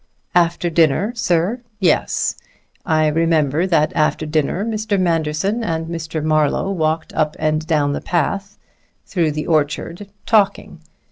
"After dinner, sir? yes. I remember that after dinner Mr. Manderson and Mr. Marlowe walked up and down the path through the orchard, talking.